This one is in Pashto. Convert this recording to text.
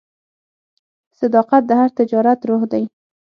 صداقت د هر تجارت روح دی.